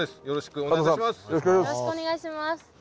よろしくお願いします。